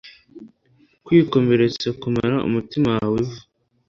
Kwikomeretsa kumara umutima wawe ivu